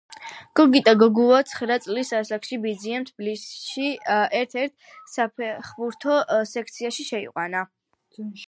გოგიტა გოგუა ცხრა წლის ასაკში ბიძამ თბილისის ერთ-ერთ საფეხბურთო სექციაში შეიყვანა.